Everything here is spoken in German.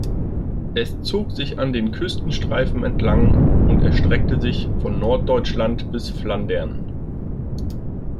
Es zog sich an den Küstenstreifen entlang und erstreckte sich von Norddeutschland bis Flandern.